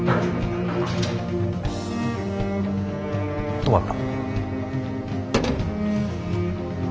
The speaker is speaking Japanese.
止まった。